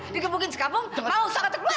dikebukin sekabung mau sokatu keluar